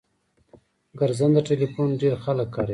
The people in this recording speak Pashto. ګرځنده ټلیفون ډیر خلګ کاروي